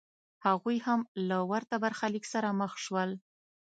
هغوی هم له ورته برخلیک سره مخ شول.